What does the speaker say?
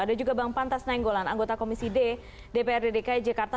ada juga bang pantas nainggolan anggota komisi d dprd dki jakarta